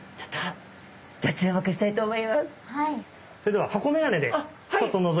はい。